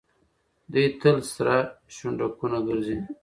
دوی تل سره شونډکونه ګرځي.